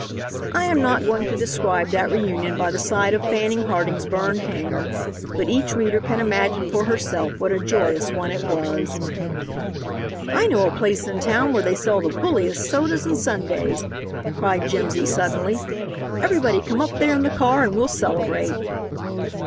I am not going to describe that reunion by the side of Fanning Harding's burned hangar, but each reader can imagine for herself what a joyous one it was. "I know a place in town where they sell the bulliest sodas and sundaes," cried Jimsy suddenly. "Everybody come up there in the car and we'll celebrate!"